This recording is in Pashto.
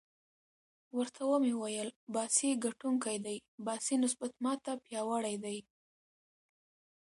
ورته ومې ویل: باسي ګټونکی دی، باسي نسبت ما ته پیاوړی دی.